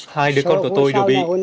hai đứa con của tôi đều bị